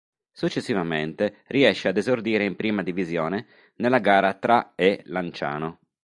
Successivamente riesce ad esordire in Prima Divisione nella gara tra e Lanciano.